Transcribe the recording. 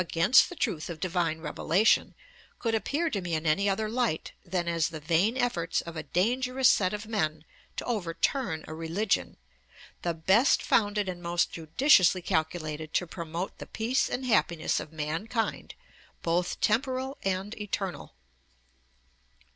against the truth of Divine revelation could appear to me in any other light than as the vain efforts of a dangerous set of men to overturn a religion, the best founded and most judiciously calculated to promote the peace and happiness of mankind, both temporal and eternal' (Memoirs, p.